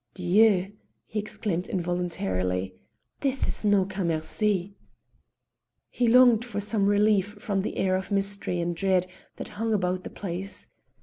"Dieu!" he exclaimed involuntarily, "this is no Cammercy." He longed for some relief from the air of mystery and dread that hung about the place.